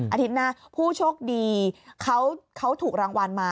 อาทิตย์หน้าผู้โชคดีเขาถูกรางวัลมา